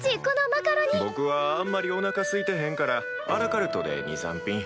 ぼくはあんまりおなかすいてへんからアラカルトで２３品。